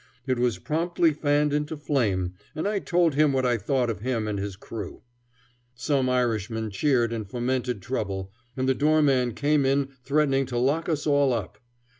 It was promptly fanned into flame, and I told him what I thought of him and his crew. Some Irishmen cheered and fomented trouble, and the doorman came in threatening to lock us all up.